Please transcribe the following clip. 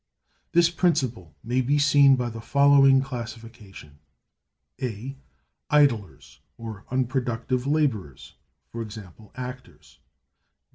This principle may be seen by the following classification: (A) Idlers; or unproductive laborers—e.g., actors.